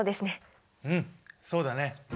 うんそうだね。